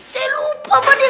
saya lupa pak dek